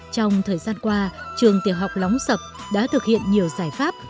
trong thời gian qua trường tiểu học lóng sập đã thực hiện nhiều giải pháp